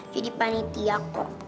jadi panitia kok